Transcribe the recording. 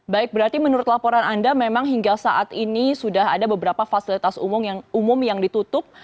baik berarti menurut laporan anda memang hingga saat ini sudah ada beberapa fasilitas umum yang umum yang ditutup